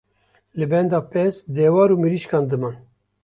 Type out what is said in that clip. li benda pez, dewar û mirîşkan diman.